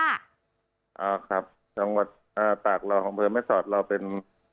อ่าครับจังหวัดตากเราของเผยแม่ศอดเราเป็น